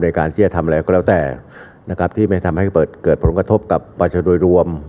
ในการที่จะทำอะไรก็แล้วแต่นะครับที่ไม่ทำให้เกิดผลกระทบกับประชาชนโดยรวม